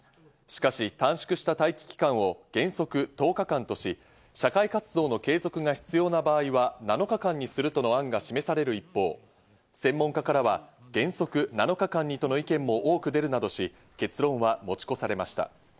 しかし、短縮した待機期間を原則１０日間とし、社会活動の継続が必要な場合は７日間にするとの案が示される一方、専門家からは原則７日間にとの意見も多く出るなどし、結論は持ち越されました。